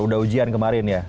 udah ujian kemarin ya